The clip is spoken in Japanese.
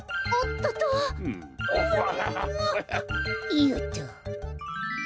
いよっと！